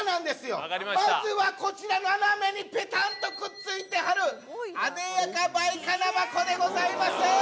まずはこちら斜めにペタンとくっついてはるアデヤカバイカナマコでございます！